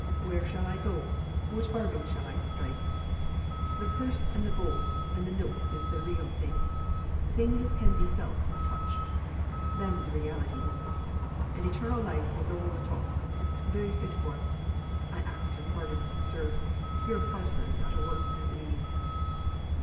Where shall I go? What bargains shall I strike?' The purse and the gold and the notes is real things; things as can be felt and touched; them's realities; and eternal life is all a talk, very fit for I ax your pardon, sir; yo'r a parson out o' work, I believe.